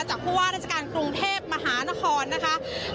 ผู้ว่าราชการกรุงเทพมหานครนะคะ